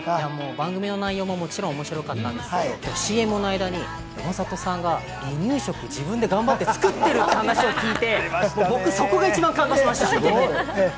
番組内容ももちろん面白かったんですけれども、ＣＭの間に山里さんが離乳食を自分で頑張って作ってるって話を聞いて、そこが一番感動しました。